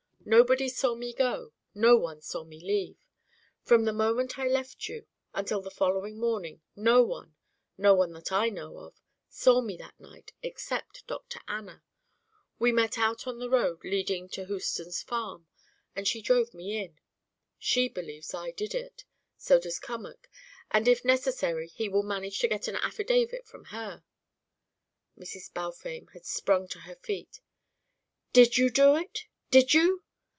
Nobody saw me go; no one saw me leave. From the moment I left you, until the following morning, no one no one that I know of saw me that night, except Dr. Anna. We met out on the road leading to Houston's farm, and she drove me in. She believes I did it. So does Cummack, and if necessary he will manage to get an affidavit from her " Mrs. Balfame had sprung to her feet. "Did you do it? Did you?"